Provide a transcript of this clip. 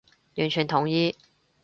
完全同意